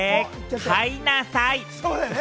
買いなさい！